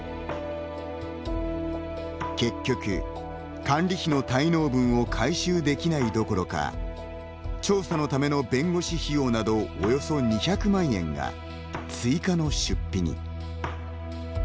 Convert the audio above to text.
結局、管理費の滞納分を回収できないどころか調査のための弁護士費用などおよそ２００万円が追加の出費に。